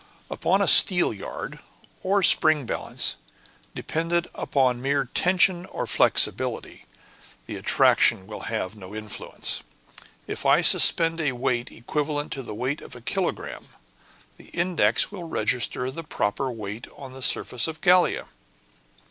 "Upon a steelyard, or spring balance, dependent upon mere tension or flexibility, the attraction will have no influence. If I suspend a weight equivalent to the weight of a kilogramme, the index will register the proper weight on the surface of Gallia.